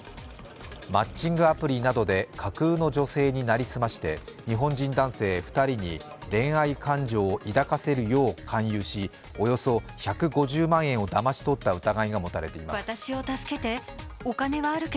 マッチングアプリなどで架空の女性に成り済まして日本人男性２人に恋愛感情を抱かせるよう勧誘し、およそ１５０万円をだまし取った疑いが持たれています。